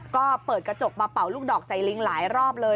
ก็เปิดกระจกมาเป่าลูกดอกใส่ลิงหลายรอบเลย